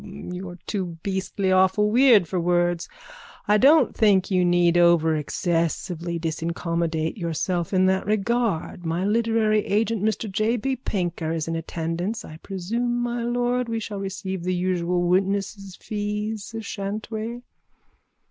You're too beastly awfully weird for words! I don't think you need over excessively disincommodate yourself in that regard. My literary agent Mr J. B. Pinker is in attendance. I presume, my lord, we shall receive the usual witnesses' fees, shan't we?